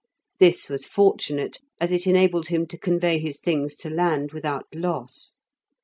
This was fortunate, as it enabled him to convey his things to land without loss.